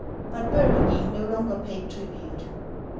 But Burgundy no longer paid tribute.